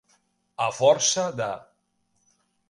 A força de.